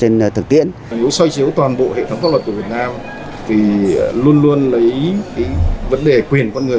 nếu xoay chiếu toàn bộ hệ thống pháp luật của việt nam thì luôn luôn lấy vấn đề quyền con người